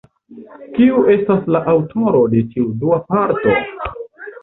Kiu estas la aŭtoro de tiu dua parto?